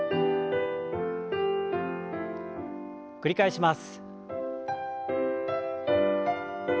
繰り返します。